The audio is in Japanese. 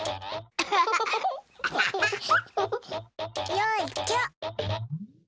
よいちょ。